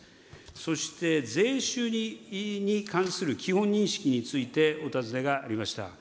そして、税収に関する基本認識について、お尋ねがありました。